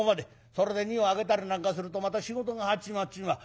それで荷を上げたりなんかするとまた仕事が始まっちまう。